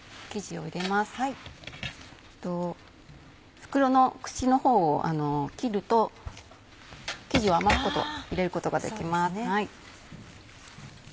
袋の口の方を切ると生地を入れることができます。